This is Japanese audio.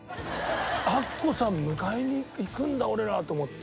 「アッコさん迎えに行くんだ俺ら」と思って。